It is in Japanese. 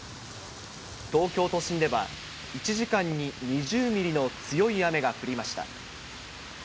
東京都心では、１時間に２０ミリの強い雨が降りました。